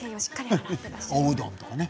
おうどんとかね。